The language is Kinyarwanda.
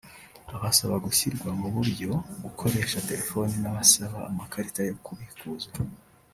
abasaba gushyirwa mu buryo gukoresha telefoni n’abasaba amakarita yo kubikuza